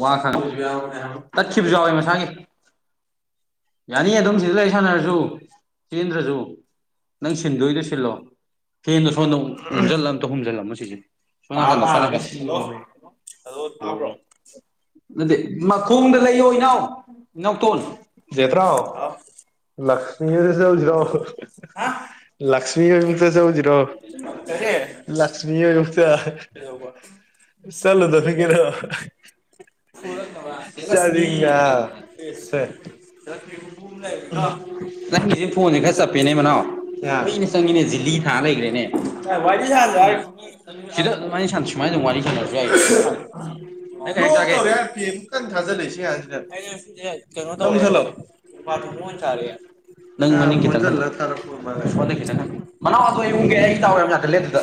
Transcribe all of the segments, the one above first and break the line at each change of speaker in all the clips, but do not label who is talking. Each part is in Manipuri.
ꯋꯥ ꯈꯪꯉ ꯇꯠꯈꯤꯕꯁꯨ ꯌꯥꯎꯋꯤ ꯃꯁꯥꯒꯤ ꯌꯥꯅꯤ ꯑꯗꯨꯝ ꯁꯤꯗ ꯂꯩ ꯁꯥꯟꯅꯔꯁꯨ ꯆꯦꯟꯗ꯭ꯔꯁꯨ ꯅꯪ ꯁꯤꯟꯗꯣꯏꯗꯣ ꯁꯤꯜꯂꯣ ꯐꯦꯟꯗꯣ ꯁꯣꯝꯗ ꯍꯨꯝꯖꯜꯂ ꯑꯝꯇ ꯍꯨꯝꯖꯤꯜꯂ ꯁꯤꯁꯦ ꯑꯗꯨꯗꯤ ꯃꯈꯣꯡꯗ ꯂꯩꯑꯣ ꯅꯎ ꯅꯥꯧꯇꯣꯟ
[unintelligible]
ꯂꯛꯃꯤꯒꯤꯗꯦꯁ ꯍꯧꯧꯖꯤ ꯔꯣ ꯂꯛꯃꯤꯦꯁ ꯍꯧꯖꯤ ꯔꯣ ꯂꯛꯁꯃꯤ ꯑꯣꯏ ꯆꯂꯨꯗ ꯐꯤ ꯀꯔ
ꯐꯔꯛ ꯅꯉ ꯌꯥ ꯐꯦ ꯀ
ꯅꯪꯀꯤꯁꯦ ꯐꯣꯟꯁꯦ ꯈꯔ ꯆꯠꯄꯦꯅꯦ ꯃꯅꯥꯎ ꯑ ꯆꯪꯉꯤꯅꯦ ꯖꯤꯂꯤ ꯊꯥ ꯂꯩꯈ꯭ꯔꯦꯅꯦ
ꯌꯥꯏ
ꯁꯤꯗ ꯃꯅꯤ ꯁꯥꯟꯇꯨ ꯃꯅ ꯅꯅꯨꯡꯉꯅꯤ ꯆꯁꯨ ꯂꯩ ꯁꯤ ꯍꯥꯏꯗ
ꯌꯥ ꯀꯩꯅꯣ
ꯈꯨ ꯅꯪ ꯃꯅꯥꯎ ꯑꯗꯨ ꯑꯩꯦ ꯑꯩ ꯇ ꯌꯥꯗꯦꯦ ꯑꯗꯨꯗ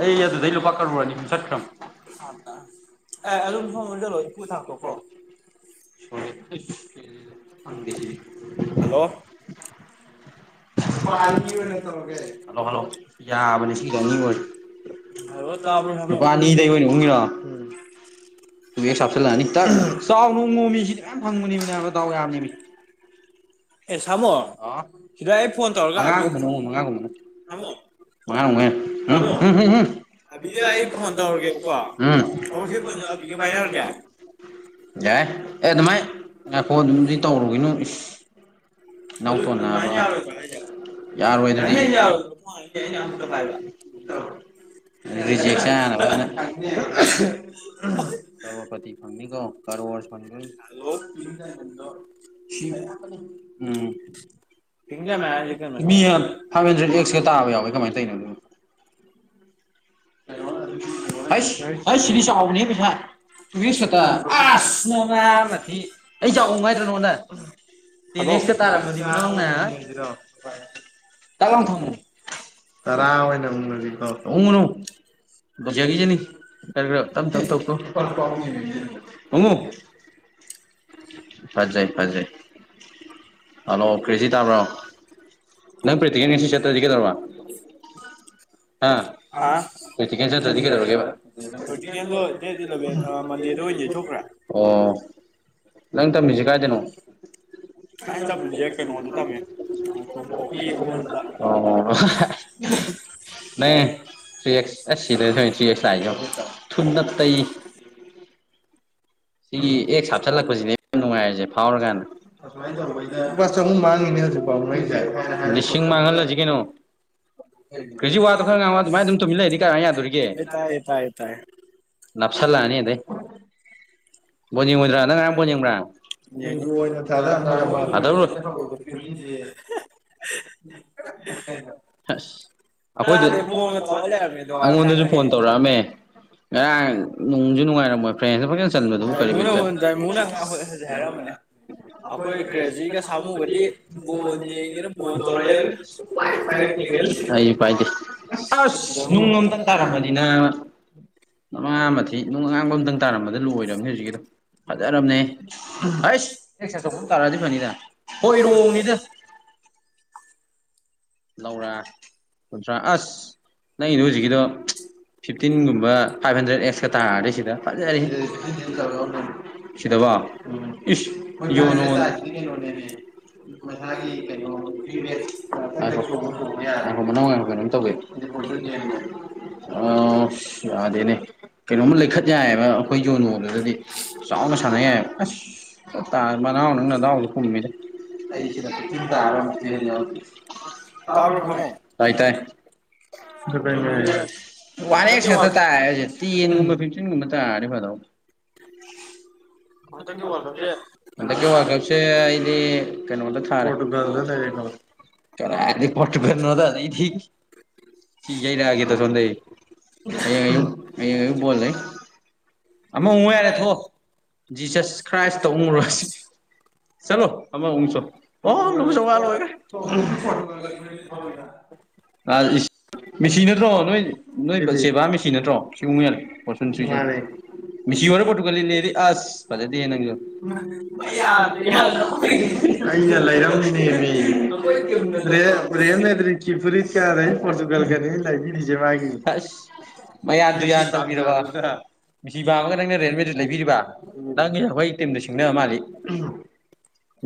ꯑꯩ ꯑꯗꯨꯗꯩ ꯂꯨꯄꯥ ꯀꯔꯨꯔꯅꯤ ꯍꯨꯝ ꯆꯠꯈ꯭ꯔꯕ
ꯑꯦ ꯑꯗꯨ ꯐ ꯑꯣꯏꯗꯂꯣ ꯏ ꯂꯥꯛꯀꯣꯣ
ꯍꯣꯏ ꯑꯪꯗ ꯍꯜꯂꯣ ꯍꯜꯂꯣ ꯌꯥꯕꯅꯦ ꯁꯤꯗ ꯃꯤ ꯑꯣꯏ ꯂꯨꯄꯥ ꯑꯅꯤꯗꯕꯅꯤ ꯍꯨꯒꯤꯔꯣ ꯇ ꯍꯦꯛ ꯍꯥꯞꯆꯤꯜꯂꯛꯑꯅꯤ ꯇ ꯆꯥꯎ ꯅꯣꯡ ꯅꯣꯡꯃꯤꯁꯤꯗꯤ ꯃꯌꯥꯝ ꯐꯪꯕꯅꯤꯃꯤꯅꯗꯥꯎ ꯌꯥꯝꯅꯤꯃꯤ ꯑ ꯃꯉꯥꯒꯨꯝꯕꯅ ꯎ ꯃꯉꯥꯒꯨꯝꯕꯅ ꯃꯥ [unintelligible] [inaudible] [unintelligible] [inaudible] ꯌꯥꯏ ꯑꯦ ꯑꯗꯨꯃꯥꯏ ꯉꯥꯏꯈꯣ ꯑꯗꯨꯝꯗꯤ ꯇꯧꯔꯨꯒꯤꯅꯨ ꯏꯁ ꯅꯧ ꯇꯣꯅ ꯌꯥꯔꯅꯤ ꯔꯤꯖꯦꯛꯁꯅ ꯂꯣꯏꯅ ꯁꯔꯕꯄꯇꯤ ꯐꯪꯅꯤꯀꯣ ꯀꯔꯣ ꯋꯥꯔꯁꯅꯤ ꯎꯝ ꯃꯤꯅ ꯐꯥꯏꯚ ꯍꯟꯗ꯭ꯔꯦꯗ ꯑꯦꯛꯁꯀ ꯇꯥꯕ ꯌꯥꯎꯋꯦ ꯀꯃꯥꯏꯅ ꯇꯧꯅꯣ ꯎꯝ ꯍ ꯁꯤꯔꯤꯁꯨ ꯑꯥꯎꯅꯤ ꯄꯁꯥ ꯇꯨꯁ ꯈꯠꯇ ꯑꯁ ꯃꯃ ꯃꯊ ꯑꯩ ꯆꯥꯎꯉꯥꯏꯗ꯭ꯔꯅꯣꯅ ꯅꯦꯛꯁ ꯇꯔꯥ ꯀ ꯀꯃ ꯊꯝꯃ ꯇꯔꯥ ꯑꯣꯏ ꯎ ꯅꯖꯤ ꯎꯅ ꯖꯤꯌꯥꯒꯖꯦꯅꯤ ꯀ ꯇ ꯇ ꯇ ꯎꯉꯨ ꯐꯖꯩ ꯐꯖꯩ ꯍꯜꯂꯣ ꯀ꯭ꯔꯤꯁꯤ ꯇꯥꯕ꯭ꯔꯣ ꯅꯪ ꯄ꯭ꯔꯤꯇꯤꯒꯤ ꯅꯤꯡꯁꯤ ꯆꯠꯇ꯭ꯔꯗꯤ ꯀꯩꯗꯔꯕ ꯍꯥꯝ ꯀꯦꯟꯁꯇ꯭ꯔꯗꯤ ꯀꯩꯗꯧꯔꯒꯦꯕ ꯑꯣ ꯅꯪ ꯇꯝꯃꯤꯁꯤ ꯀꯥꯏꯗꯅꯣ [unintelligible] [inaudible] ꯑꯣ ꯅ ꯊ꯭ꯔꯤ ꯑꯦꯛꯁ ꯑꯁꯤꯁ ꯁꯤꯗ ꯊ ꯊ꯭ꯔꯤ ꯑꯦꯛꯁ ꯂꯥꯏ ꯊꯨꯝꯅ ꯇꯩ ꯁꯤꯒꯤ ꯑꯦꯛꯁ ꯍꯥꯞꯆꯜꯂꯛꯄꯁꯤꯅꯦ ꯌꯥꯝ ꯅꯨꯡꯉꯥꯏꯔꯁꯦ ꯐꯥꯎꯔꯀꯥꯟꯗ ꯂꯨꯄꯥ ꯆꯍꯥꯡꯉꯤꯅꯦ ꯍꯧꯖꯤꯛꯥꯎ ꯂꯤꯁꯤꯡ ꯃꯥꯡꯍꯜꯂꯁꯤ ꯀꯩꯅꯣ ꯀꯖꯤꯛ ꯋꯥꯗꯣ ꯈꯔ ꯉꯥꯡꯕ ꯑꯗꯨꯃꯥꯏꯅ ꯑꯗꯨꯝ ꯇꯨꯝꯃꯤꯟ ꯂꯩꯛꯔꯗꯤ ꯀꯥꯏ ꯌꯥꯗꯣꯔꯤꯒꯦ ꯅꯞꯁꯂꯅꯤ ꯑꯗ ꯕꯉꯣꯏꯗ꯭ꯔꯥ ꯅꯪ ꯉꯌꯥꯝꯕꯣ ꯌꯦꯅꯤꯡꯕ꯭ꯔꯥ [unintelligible] [inaudible] ꯍꯁ ꯑꯩꯈꯣꯏꯗꯤ ꯑꯩꯉꯣꯟꯗꯁꯨ ꯐꯣꯟ ꯇꯧꯔꯛꯑꯝꯃꯦ ꯑ ꯅꯨꯡꯁꯨ ꯅꯨꯡꯉꯥꯏꯔꯝꯃꯣꯏ ꯐ꯭ꯔꯦꯟꯁ ꯐꯖ ꯆꯟꯃꯦ ꯑꯗꯨꯝ ꯀꯕꯠꯇ ꯑꯩꯈꯣꯏ ꯑꯩ ꯄꯥꯏꯗꯦ ꯑꯁ ꯅꯨꯡꯂꯣꯝꯇꯪ ꯇꯥꯔꯝꯃꯅꯤꯅ ꯅ ꯃꯉꯥ ꯃꯊꯤ ꯅꯣꯡ ꯑꯉꯥꯒꯣꯝꯇꯪ ꯇꯥꯔꯃꯗ ꯂꯣꯏꯔꯔꯕꯅꯤ ꯍꯧꯖꯤꯛꯀꯤꯗ ꯐꯖꯔꯔꯕꯅꯦ ꯍꯁ ꯑꯦꯛꯁꯔ ꯆꯧꯕ ꯑꯃ ꯇꯥꯔꯛꯗꯤꯣꯏꯕꯅꯤꯗ ꯍꯣꯏ ꯔꯣꯡꯅꯤꯗ ꯂꯧꯔ ꯀꯨꯟꯊ꯭ꯔꯥ ꯑꯁ ꯅꯅꯦ ꯍꯧꯖꯤꯛꯀꯤꯗꯣ ꯐꯤꯐꯇꯤꯟꯒꯨꯝꯕ ꯐꯥꯏꯚ ꯍꯟꯗ꯭ꯔꯦꯗ ꯑꯦꯛꯁꯀ ꯇꯥꯔꯗꯤ ꯁꯤꯗ ꯐꯖꯔꯤ ꯏ ꯌ [unintelligible] [inaudible] ꯃ ꯍꯥꯏꯒꯤ ꯀꯩꯅꯣꯔꯤ ꯅꯪꯈꯣ ꯃꯅꯪ ꯑꯣꯏ ꯀꯩꯅꯣꯝ ꯇꯧꯋ ꯑ ꯑ ꯑꯗꯨꯅꯦ ꯀꯩꯅꯣꯝ ꯂꯩꯈꯠ ꯌꯥꯏꯑꯕ ꯑꯩꯈꯣꯏ ꯌꯣꯟꯅꯣꯗꯨꯗꯗꯤ ꯆꯥꯎꯅ ꯁꯥꯟꯅ ꯌꯥꯏꯑꯕ ꯑꯁ ꯇꯥꯔꯅꯥꯎꯅꯅꯥꯎꯗ ꯀꯨꯝꯃꯤꯗ ꯇꯥꯏ ꯇꯥꯏ ꯋꯥꯔ ꯈꯛꯇ ꯇꯥꯁꯦ ꯇꯦꯟꯒꯨꯝꯕ ꯐꯤꯤꯟꯆꯤꯟꯒꯨꯝꯕ ꯇꯥꯔ ꯐꯗ ꯑꯗ ꯋꯥꯔꯞꯁꯦ ꯑꯩꯗꯤ ꯀꯩꯅꯣꯗ ꯣꯗꯤ ꯄꯀꯅꯗ ꯑꯗ ꯊ ꯌꯏꯔꯒꯦ ꯇ ꯁꯣꯗ ꯑ ꯑ ꯑꯣꯜꯂ ꯑꯃ ꯑꯃꯡꯉ ꯌꯥꯏꯔꯦ ꯊꯣꯛꯣ ꯖꯤꯁꯁ ꯈ꯭ꯔꯥꯏꯁꯇ ꯑꯃꯉꯨꯔꯁꯤ ꯆꯂꯣ ꯑꯃ ꯍꯡꯁꯣ ꯑꯣ ꯂ ꯋꯥ ꯑꯣꯏꯒ ꯑ ꯏ ꯃꯦꯁꯤ ꯅꯠꯇ꯭ꯔꯣ ꯅꯣꯏ ꯅꯣꯏ ꯆꯦꯕꯥ ꯃꯦꯁꯤꯤ ꯅꯠꯇ꯭ꯔꯣ ꯁꯤꯒꯨꯝꯕ ꯍꯦꯜꯂꯦ ꯄꯣ ꯃꯤꯁꯤ ꯑꯣꯏꯣꯔ ꯄꯣꯠꯨꯒ ꯂ ꯂꯩꯔꯤꯌꯦ ꯑꯁ ꯐꯖꯗꯤ ꯅꯪ ꯑꯩꯅ ꯂꯩꯔꯝꯃꯤꯅꯦ ꯃꯤ ꯔꯦꯝꯅꯦꯗ꯭ꯔꯤ ꯀꯔꯤ ꯀꯗ ꯄꯣꯣꯔꯆꯨꯒꯜ ꯈꯅꯤ ꯂꯩꯗꯤꯁꯦ ꯃꯥꯒꯤ ꯃꯌꯥꯗꯨꯌꯥꯟ ꯇꯥꯕꯤꯔꯕ ꯃꯤꯁꯤ ꯄꯥꯝꯃꯒ ꯅꯪꯅ ꯔꯦꯜꯋꯦꯗ ꯂꯩꯕꯤꯔꯤꯕ ꯅꯪꯒꯤ ꯑꯩꯈꯣꯏ ꯇꯤꯝꯗ ꯁꯤꯡꯅꯕ ꯃꯥꯜꯂꯤ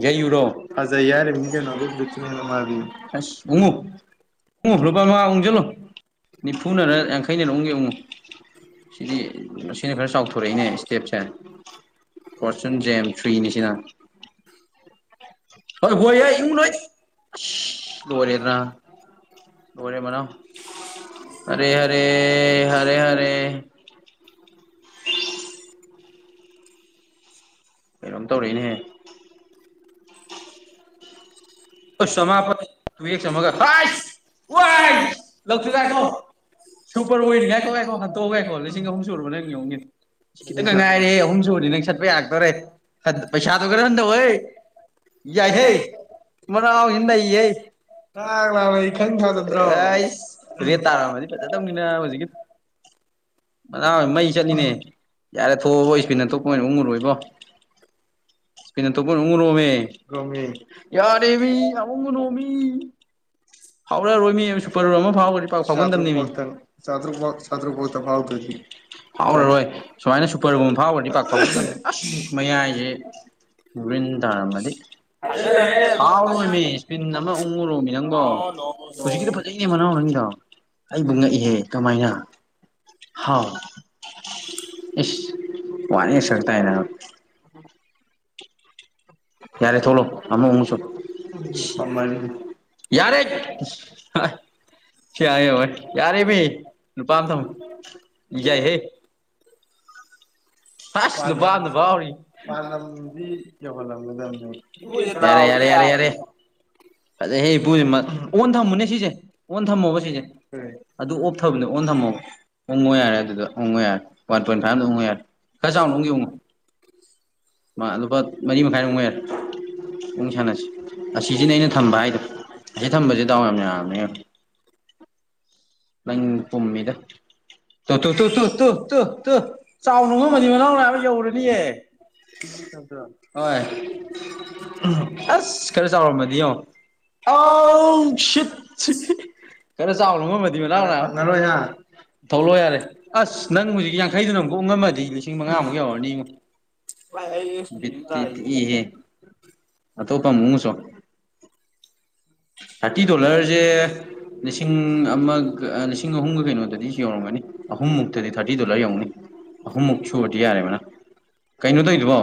ꯌꯥꯏꯔꯣ ꯐꯖꯩ ꯃꯤꯟ ꯑꯗꯨ ꯂꯥ ꯍ ꯎꯉꯨ ꯎꯉ ꯐꯨꯄꯥ ꯃꯉꯥ ꯑꯣꯪꯁꯤꯜꯂꯣ ꯅꯤꯐꯨꯅꯅ ꯌꯥꯡꯈꯩꯅꯔ ꯎꯪꯒꯦ ꯎꯡꯉꯨ ꯁꯤꯗꯤ ꯁꯤꯅ ꯈꯔ ꯆꯥꯎꯊꯣꯔꯛꯏꯅꯦ ꯏꯁꯇꯦꯞꯁꯦ ꯀꯣꯆꯟ ꯖꯦꯝ ꯊ꯭ꯔꯤꯅꯤ ꯁꯤꯅ ꯍꯣꯏ ꯍꯣꯏ ꯏꯨꯡ ꯅꯣꯏ ꯂꯦꯗ꯭ꯔ ꯇꯅꯦ ꯃꯅꯥ ꯑꯔ ꯍꯔ ꯍꯔ ꯍꯔꯦ [inaudible] ꯀꯩꯅꯣꯝ ꯇꯧꯔꯛꯏꯅꯦꯍꯦ ꯑꯣ ꯀꯃꯥꯄ ꯇꯨ ꯌꯦꯁꯃꯒꯥꯏ ꯂꯁꯨ ꯀꯥꯏ ꯀꯣ ꯁꯨꯄꯔ ꯑꯣꯏꯅꯤꯒꯥꯏꯀꯣ ꯌꯥꯥꯏꯈꯣ ꯍꯟꯇꯣꯛꯎꯒꯥꯏꯈꯣ ꯂꯤꯁꯤꯡ ꯑꯍꯨꯝ ꯁꯨꯔꯕ ꯅꯪ ꯌꯦꯡꯉꯦ ꯈꯤꯇꯪ ꯉꯥꯏꯔꯦ ꯑꯍꯨꯝ ꯁꯨꯅꯤ ꯅꯪ ꯆꯠꯄ ꯌꯥꯥꯛꯛꯇꯔꯦ ꯄꯩꯁꯥꯗꯨ ꯈꯔ ꯍꯟꯗꯕꯣꯏ ꯌꯥꯏꯍꯦ ꯃꯥꯎ ꯍꯦ ꯀꯣ ꯔꯦ ꯇꯥꯔꯗꯤ ꯐꯖ ꯇꯪꯃꯤꯅ ꯍꯧꯖꯤꯛ ꯃꯅꯥ ꯃꯩ ꯆꯠꯂꯤꯅꯦ ꯌꯥꯔꯦ ꯊꯣꯛꯑꯕ ꯏꯁꯄꯤꯟ ꯑꯇꯣꯞꯄ ꯑꯣꯏꯅ ꯎꯡꯉꯨꯔꯣꯏꯕꯣ ꯇꯣꯃꯦ ꯌꯥꯔꯦꯃꯤ ꯎꯝ ꯐꯥꯎꯔꯛꯑꯔꯣꯏ ꯃꯤ ꯁꯨꯄꯔ ꯔ ꯑꯃ ꯐꯥꯎꯈꯅꯤ ꯄꯥꯎ ꯐꯥꯎꯒꯟꯗꯕꯅꯤꯃꯤꯥꯨꯥꯎ ꯐꯥꯎꯔꯔꯣꯏ ꯁꯨꯃꯥꯏꯅ ꯁꯨꯄꯔꯒꯨꯝꯕ ꯐꯥꯎꯔꯗꯤ ꯄꯥꯛꯊꯣꯛ ꯃꯌꯥꯏꯁꯦ ꯭ꯗ ꯃꯗꯤ
ꯍꯥꯏꯂꯣ
ꯌꯥꯥꯎꯔꯣꯏꯅꯦ ꯏꯁꯄꯤꯔꯤꯟ ꯑꯃ ꯎꯪꯉꯨꯔꯣꯃꯤ ꯅꯪꯕꯣ ꯍꯧꯖꯤꯛꯀꯤꯗꯤ ꯐꯖꯩꯅꯦ ꯃꯅꯥꯎ ꯅꯁꯤꯡꯗꯣ ꯑꯩꯕꯨ ꯉꯛꯏꯍꯦ ꯀꯃꯥꯏꯅ ꯍꯥꯎ ꯏꯁ ꯋꯥꯅꯤ ꯁꯔꯇꯥꯅ ꯌꯥꯔꯦ ꯊꯣꯛꯣꯂꯣ ꯑꯃ ꯍꯨ ꯁ ꯅꯤ ꯌꯥꯔꯦ ꯌꯥ ꯌꯥꯔꯦ ꯃꯤ ꯅꯨꯄꯥꯥꯝ ꯊꯝ ꯌꯥꯏ ꯍꯦ ꯇꯗ ꯄꯗ ꯐꯥꯎꯔꯤꯗꯤ ꯌꯥꯔꯦ ꯌꯥꯔꯦ ꯌꯥꯔꯦ ꯌꯥꯔꯦ ꯑꯗꯩ ꯍ ꯏꯁꯦ ꯑꯣꯟ ꯊꯝꯃꯨꯅꯦ ꯁꯤꯁꯦ ꯑꯣꯟ ꯊꯝꯃꯣꯕ ꯁꯤꯁꯦ ꯑꯗꯨ ꯑꯣꯐ ꯊꯕꯅꯦ ꯑꯣꯟ ꯊꯝꯃꯣꯕ ꯍꯣꯡꯉꯣ ꯌꯥꯔꯦ ꯑꯗꯨꯗ ꯍꯣꯡꯉꯣ ꯌꯥꯔꯦ ꯋꯥꯟ ꯄꯣꯏꯟ ꯐꯥꯏꯚ ꯑꯃꯗ ꯍꯪꯉꯣ ꯌꯥꯔꯦ ꯈꯔ ꯆꯥꯎꯅ ꯨ ꯌꯦꯡꯉꯣ ꯃꯥ ꯂꯨꯄꯥ ꯃꯔꯤ ꯃꯈꯥꯏꯃꯨꯛ ꯑꯣꯏꯔꯦ ꯑꯃꯛ ꯁꯥꯟꯅꯁꯤ ꯑꯁꯤꯁꯤꯅꯦ ꯑꯩꯅ ꯊꯝꯕ ꯍꯥꯏꯗꯣ ꯑꯁꯤ ꯊꯝꯕꯁ ꯗꯥꯎ ꯌꯥꯝ ꯌꯥꯔꯕꯅꯤ ꯍꯧ ꯃꯪ ꯄꯨꯝ ꯏꯗ ꯇꯨ ꯇꯨ ꯇꯨ ꯇꯨ ꯇꯨ ꯇꯨ ꯇꯨ ꯆꯥꯎ ꯅꯨꯡꯉꯝꯃꯅꯤ ꯃꯅꯥꯎ ꯅꯥꯕ ꯌꯧꯔꯅꯤꯌꯦ ꯭ꯔ ꯍꯣꯏ ꯑꯁ ꯈꯔ ꯆꯥꯎꯔꯝꯃꯗꯤꯡꯣ ꯈꯔ ꯆꯥꯎꯕꯅꯨꯡꯉ ꯅꯣ ꯊꯣꯛꯂꯛꯑꯣ ꯌꯥꯔꯦ ꯑꯁ ꯅꯪ ꯍꯧꯖꯤꯛ ꯌꯥꯡꯈꯩꯗꯨꯅ ꯑꯃꯨꯛꯣꯛ ꯉꯝꯃꯗꯤ ꯂꯤꯁꯤꯡ ꯃꯉꯥꯃꯨꯛ ꯌꯧꯔꯅꯤ ꯏꯉꯣ ꯏꯍꯦ ꯑꯇꯣꯞꯄ ꯑꯃ ꯎꯡꯉꯨꯆꯣ ꯊꯥꯔꯇꯤ ꯗꯣꯂꯔꯁꯦ ꯂꯤꯁꯤꯡ ꯑꯃ ꯂꯤꯁꯤꯡ ꯑꯍꯨꯝꯒ ꯀꯩꯅꯣꯗꯗꯤꯁꯨ ꯌꯧꯔꯝꯒꯅꯤ ꯑꯍꯨꯝ ꯃꯨꯛꯇꯗꯤ ꯊꯥꯔꯇꯤ ꯗꯣꯂꯔ ꯌꯧꯅꯤ ꯑꯍꯨꯝꯃꯨꯛ ꯁꯨꯔꯗꯤ ꯌꯥꯔꯦ ꯃꯅꯥꯎ ꯀꯩꯅꯣ ꯇꯧꯋꯤꯗꯨꯕꯣ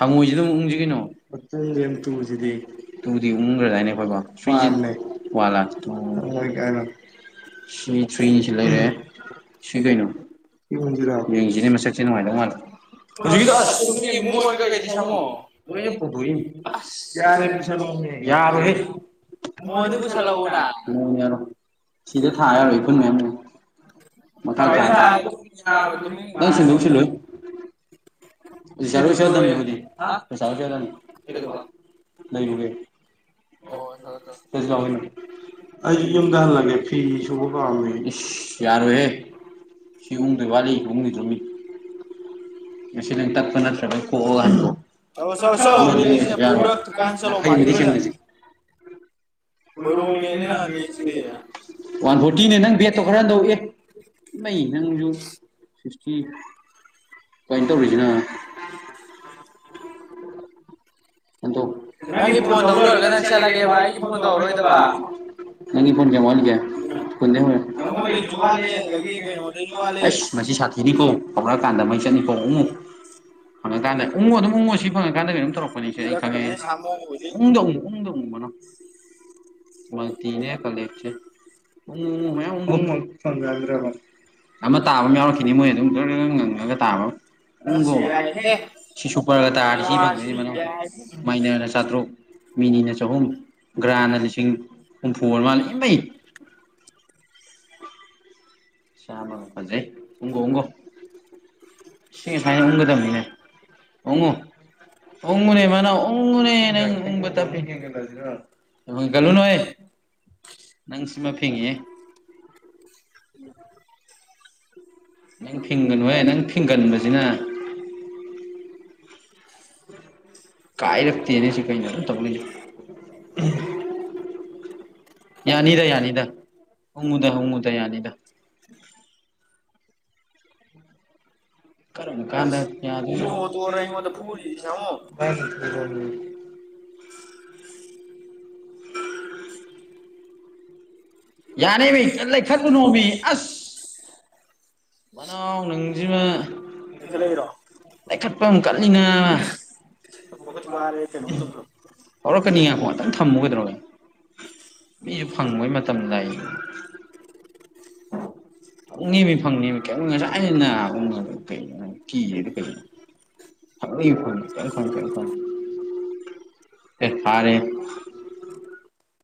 ꯍꯪꯉꯣꯏꯁꯤ ꯑꯗꯨꯨ ꯎꯡꯁꯤ ꯀꯩꯅꯣ [unintelligible] ꯁꯤ ꯊ꯭ꯔꯤꯅꯤꯁꯤ ꯂꯩꯔꯦ ꯁꯤ ꯀꯩꯅꯣ ꯌꯦꯡꯁꯤꯅꯦ ꯃꯁꯛꯁꯦ ꯅꯨꯡꯉꯥꯏꯗꯧ ꯃꯥꯜꯂꯦ ꯍꯧꯖꯤꯛꯀꯤꯗꯣ ꯑꯁ ꯌꯥꯔꯦ ꯄꯨꯁꯜꯂꯣ ꯌꯥꯔꯣꯏꯍꯦ ꯁꯤꯗ ꯊꯥ ꯌꯥꯔꯣꯏ ꯈꯨꯟ ꯃꯌꯥꯝ [unintelligible] [unintelligible] ꯑꯩꯖꯦ ꯌꯨꯝꯗ ꯍꯜꯂꯒꯦ ꯐꯤ ꯌꯥꯔꯣꯏꯍꯦ [unintelligible] ꯉꯁ ꯅꯪ ꯇꯞꯄ ꯅꯠꯇ꯭ꯔꯕ ꯀꯣꯛꯑꯣ ꯂꯣ [unintelligible] ꯋꯥꯟ ꯐꯣꯔꯇꯤꯅꯦ ꯅꯪ ꯕꯦꯠꯇꯣ ꯈꯔ ꯍꯟꯗꯧ ꯑꯦ ꯏꯃꯩ ꯅꯪꯁꯨ ꯁꯤꯛꯁꯇꯤ ꯀꯩꯅꯣ ꯇꯧꯔꯤꯁꯤꯅ [unintelligible] ꯅꯪꯒꯤ ꯐꯣꯟ ꯀꯌꯥꯝ ꯋꯥꯠꯂꯤꯒꯦ ꯀꯣꯟꯗ ꯍ ꯑꯦꯁ ꯃꯁꯤ ꯁꯥꯊꯤꯅꯤ ꯀꯣ ꯑꯩ ꯀꯥꯟꯗꯥ ꯃ ꯆꯠꯅꯤꯐꯥꯎ ꯑꯃꯨꯛ ꯐꯪꯉꯀꯥꯟꯗ ꯎꯡꯉꯣ ꯑꯗꯨꯝ ꯎꯡꯉꯣ ꯁꯤ ꯐꯪꯉꯀꯥꯟꯗ ꯀꯩꯅꯣꯝ ꯇꯧꯔꯛ ꯄꯅꯤꯁꯦ ꯑꯩ ꯈꯪꯉꯦ ꯎꯡꯗ ꯎꯡꯉꯣ ꯎꯡꯉꯣ ꯎꯡꯉꯣ ꯑꯃꯨꯕꯅꯣ ꯃꯥꯔꯇꯅꯦ ꯀꯂꯦꯛꯁꯟ [unintelligible] ꯑꯃ ꯇꯥꯕ ꯑꯃ ꯌꯥꯎꯔꯛꯈꯤꯅꯤ ꯃꯣꯏꯅ ꯑꯗꯨꯝ ꯉꯔꯡ ꯉꯔꯡ ꯉꯪꯂꯒ ꯇꯥꯕ ꯑꯃ ꯎꯪꯒꯣ ꯁꯤ ꯁꯨꯄꯔꯒ ꯇꯥꯔꯗꯤ ꯁꯤ ꯐꯪꯗꯣꯏꯅꯦ ꯃꯅꯥꯎ
ꯌꯥꯏꯍꯦ
ꯃꯤꯅꯤꯅ ꯆꯍꯨꯝ ꯒ꯭ꯔꯥꯅ ꯂꯤꯁꯤꯡ ꯍꯨꯝꯐꯨ ꯑꯣꯏꯔ ꯃꯥꯜꯂꯦ ꯏꯃꯩꯩ ꯆꯥꯝꯃꯒ ꯐꯖꯩ ꯎꯡꯒꯣ ꯎꯡꯒꯣ [unintelligible] ꯎꯡꯉꯣꯅꯦ ꯃꯅꯥꯎ ꯎꯡꯉꯣꯅꯦ ꯅꯪ [unintelligible] ꯑꯃ ꯐꯤꯡꯉꯦꯍꯦ ꯅꯪ ꯐꯤꯡꯒꯅꯨꯍꯦ ꯅꯪ ꯐꯤꯡꯒꯟꯕꯁꯤꯅ ꯀꯥꯏ ꯂꯦꯅꯤꯁꯨꯀꯥꯏ ꯅ ꯇꯅꯤꯁꯨ [inaudible] ꯌꯥꯅꯤꯗ ꯌꯥꯅꯤꯗ ꯎꯡꯉꯨꯗ ꯎꯡꯉꯨꯗ ꯌꯥꯅꯤꯗ ꯀꯔꯝꯀꯥꯟꯗ ꯌꯥꯗꯣꯏꯅꯣ ꯌꯥꯅꯤꯃꯤ ꯂꯩꯈꯠꯂꯨꯅꯣꯃꯤ ꯑꯁ ꯃꯅꯥꯎ ꯅꯪꯁꯤꯃ ꯂꯩꯈꯠ ꯀꯠꯅꯤꯅ ꯍꯧꯔꯛꯀꯅꯤꯉꯀꯣ ꯉꯇ ꯊꯝꯃꯨ ꯀꯩꯗꯧꯔꯒꯦ ꯃꯤꯁꯨ ꯐꯪꯕꯩ ꯃꯇꯝ ꯂꯩ
[inaudible]
ꯐꯪꯅꯦꯃꯤ ꯐꯪꯅꯦꯃꯤ ꯀꯩ ꯉꯁꯥꯏꯅ ꯑꯩꯅ ꯀꯣ ꯀꯤꯔꯤꯗ ꯀꯩꯅꯣ ꯐꯪꯅꯤ ꯐꯪꯅꯤ ꯀꯩꯝ ꯈꯜꯂꯨꯅꯨ ꯀꯩꯝ ꯈꯜꯂꯨꯅꯨ ꯑꯦ ꯊꯥꯔꯦꯍꯦ